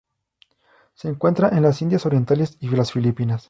Se encuentra en las Indias Orientales y las Filipinas.